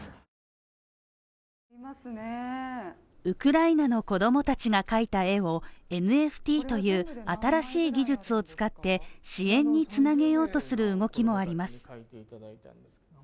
ウクライナの子供たちが描いた絵をＮＦＴという新しい技術を使って支援につなげようとする動きもあります。